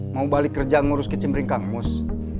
mau balik kerja ngurus ke cimbring kangmus